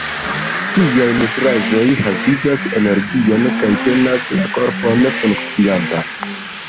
Tiaj nutraĵoj havigas energion kaj tenas la korpon funkcianta.